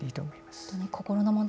本当に、心の問題